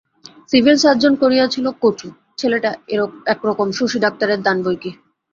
Civil surgeon করিয়াছিল কচু, ছেলেটা একরকম শশী ডাক্তারের দান বৈকি!